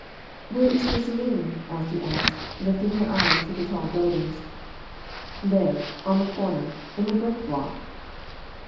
"Where is the saloon?" Elsie asked, lifting her eyes to the tall buildings. "There, on the corner, in the brick block."